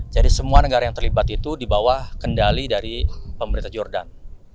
jadi semua negara yang terlibat itu dibawa kendali dari pemerintah jordan